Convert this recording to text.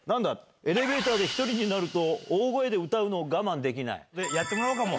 エレベーターで１人になると、大声で歌うのを我慢できなやってもらおうか、もう。